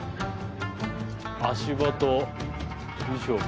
足場と衣装。